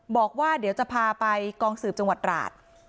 บอกว่าเดี๋ยวจะพาไปกองสืบจังหวัดราช